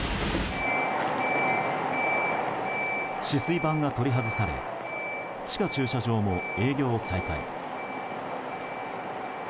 止水板が取り外され地下駐車場も営業を再開。